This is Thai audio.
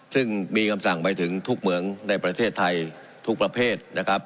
ซึ่งมีคำสั่งไปถึงทุกเหมืองในประเทศไทยทุกประเภทนะครับ